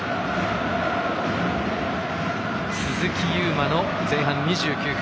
鈴木優磨の前半２９分